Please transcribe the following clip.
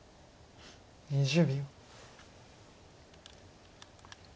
２０秒。